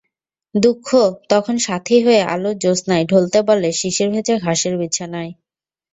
দুঃখ তখন সাথি হয়ে আলোর জ্যোৎস্নায়, ঢলতে বলে শিশিরভেজা ঘাসের বিছানায়।